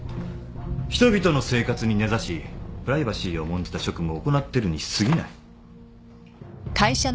人々の生活に根差しプライバシーを重んじた職務を行ってるにすぎない。